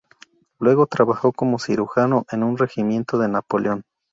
Luego trabajó como cirujano en un regimiento de Napoleón.